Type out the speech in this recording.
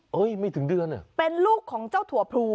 เฮ้ยไม่ถึงเดือนเนี่ยเป็นลูกของเจ้าถั่วพู